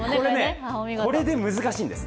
これで難しいんです。